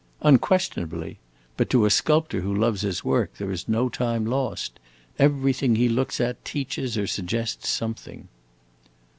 "Unquestionably. But to a sculptor who loves his work there is no time lost. Everything he looks at teaches or suggests something."